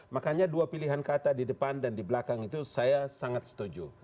makanya dua pilihan kata di depan dan di belakang itu saya sangat setuju